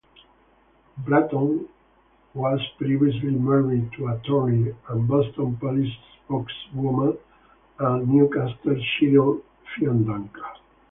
Bratton was previously married to attorney and Boston Police spokeswoman and newscaster Cheryl Fiandaca.